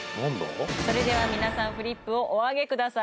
それでは皆さんフリップをおあげください